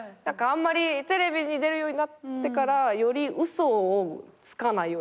テレビに出るようになってからより嘘をつかないようになりました。